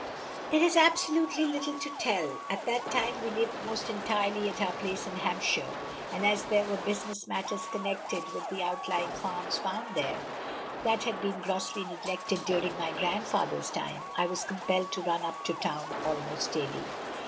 "There is absurdly little to tell. At that time we lived almost entirely at our place in Hampshire, and as there were business matters connected with the outlying farms found there, that had been grossly neglected during my grandfather's time, I was compelled to run up to town, almost daily.